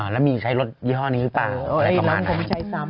แล้วมีใช้รถยี่ห้อนี้ก็หรือเปล่านี่